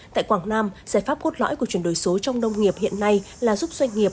tại quảng nam giải pháp cốt lõi của chuyển đổi số trong nông nghiệp hiện nay là giúp doanh nghiệp